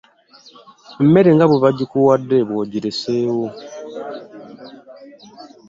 Emmere nga bwe baagikuwadde bw'ogireseewo!